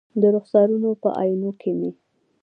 د رخسارونو په آئینو کې مې